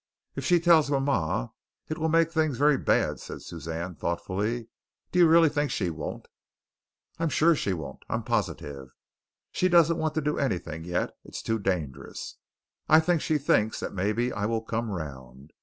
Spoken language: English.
"If she tells mama, it will make things very bad," said Suzanne thoughtfully. "Do you really think she won't?" "I'm sure she won't. I'm positive. She doesn't want to do anything yet. It's too dangerous. I think she thinks that maybe I will come round.